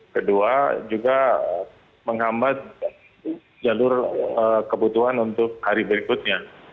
kedua juga menghambat jalur kebutuhan untuk hari berikutnya